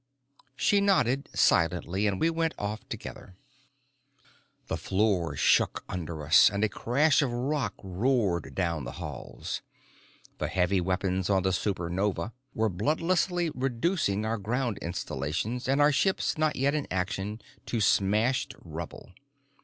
She nodded silently, and we went off together. The floor shook under us, and a crash of rock roared down the halls. The heavy weapons on the Supernova were bloodlessly reducing our ground installations and our ships not yet in action to smashed rubble.